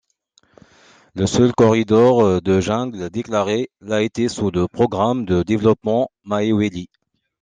Le seul corridor de jungle déclaré l'a été sous le programme de développement Mahaweli.